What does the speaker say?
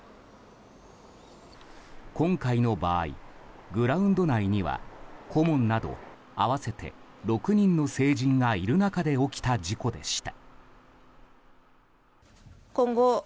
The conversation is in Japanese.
今回の場合、グラウンド内には顧問など合わせて６人の成人がいる中で起きた事故でした。